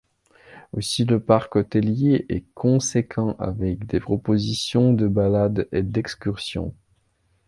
Aussi le parc hôtelier est conséquent avec des propositions de ballades et d'excursions.